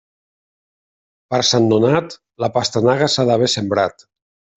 Per Sant Nonat, la pastanaga s'ha d'haver sembrat.